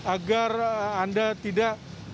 agar anda tidak